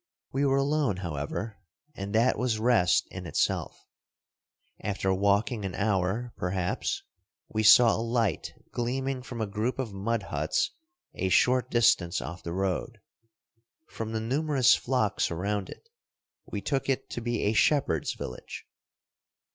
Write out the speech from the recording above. We were alone, however, and that was rest in itself. After walking an hour, perhaps, we saw a light gleaming from a group of mudhuts a short distance off the 22 Across Asia on a Bicycle road. From the numerous flocks around it, we took it to be a shepherds' village.